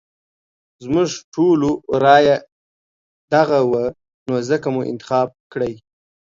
زموږ ټولو رايه ددغه وه نو ځکه مو انتخاب کړی.